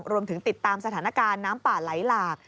รวมถึงติดตามสถานการณ์น้ำป่าไหลหลาก